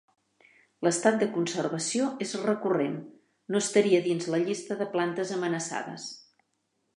L'estat de conservació és recurrent, no estaria dins la llista de plantes amenaçades.